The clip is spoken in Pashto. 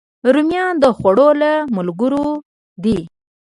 رومیان د خوړو له ملګرو دي